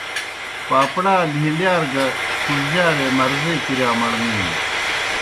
پاپڑا لِھیلِیار گہ پُھڙجِیارے مرضے کِرِیا مڑنِینوْ۔